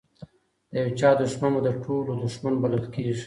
د یو چا دښمن به د ټولو دښمن بلل کیږي.